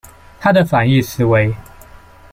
它的反义词为。